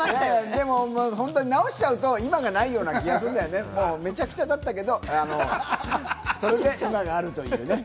でも本当に直しちゃうと今がないような気がするんだよね、めちゃくちゃだったけど、それで今があるというね。